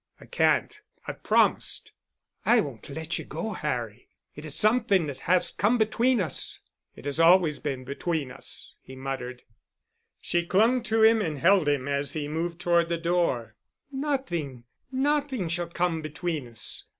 "I can't. I've promised." "I won't let you go, Harry. It is something that has come between us——" "It has always been—between us——" he muttered. She clung to him and held him as he moved toward the door. "Nothing—nothing shall come between us.